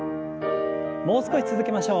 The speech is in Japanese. もう少し続けましょう。